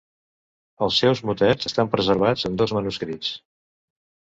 Els seus motets estan preservats en dos manuscrits.